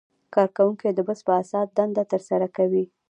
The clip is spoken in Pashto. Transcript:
کارکوونکي د بست په اساس دنده ترسره کوي.